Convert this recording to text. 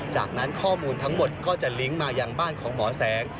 จากนั้นข้อมูลทั้งหมดก็จะลิงก์มายังบ้านของหมอแสง